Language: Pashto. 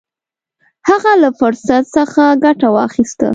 هغه له فرصت څخه ګټه واخیسته.